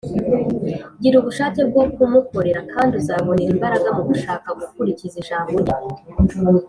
. Gira ubushake bwo kumukorera kandi uzabonera imbaraga mu gushaka gukurikiza ijambo Rye